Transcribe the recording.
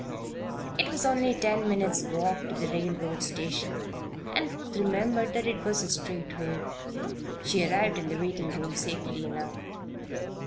It was only ten minutes walk to the railroad station, and Ruth remembered that it was a straight road. She arrived in the waiting room safely enough.